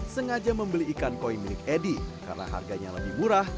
sengaja membeli ikan koi milik edi karena harganya lebih murah